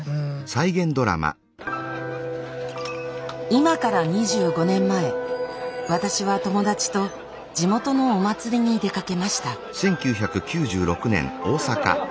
今から２５年前私は友達と地元のお祭りに出かけました。